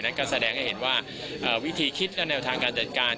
ก็แสดงให้เห็นว่าวิธีคิดและแนวทางการจัดการ